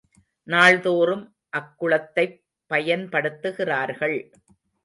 நாள்தோறும் அக்குளத்தைப் பயன்படுத்துகிறார்கள்.